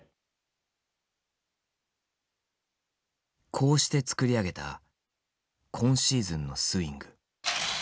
こうして作り上げた今シーズンのスイング。